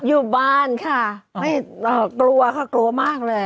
อยู่บ้านค่ะไม่กลัวค่ะกลัวมากเลย